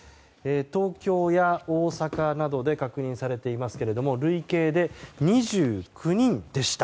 東京や大阪などで確認されていますが累計で２９人でした。